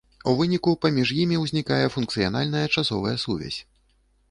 У выніку паміж імі ўзнікае функцыянальная часовая сувязь.